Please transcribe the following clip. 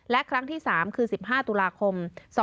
และครั้งที่๓คือ๑๕ตุลาคม๒๕๖